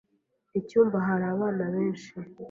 Icyumba hari abana benshi.